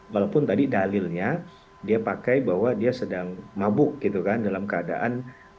walaupun tadi dalilnya dia pakai bahwa dia sedang mabuk gitu kan dalam keadaan